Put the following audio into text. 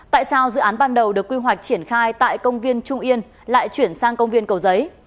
tại sao dự án ban đầu được quy hoạch triển khai tại công viên trung yên lại chuyển sang công viên cầu giấy